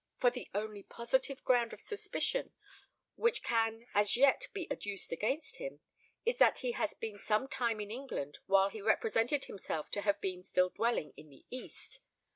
For the only positive ground of suspicion which can as yet be adduced against him, is that he has been some time in England while he represented himself to have been still dwelling in the East.